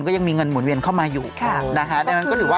ก็ยังมีเงินหมุนเวียนเข้ามาอยู่นะคะ